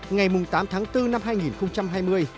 ngày tám tháng bốn năm hai nghìn hai mươi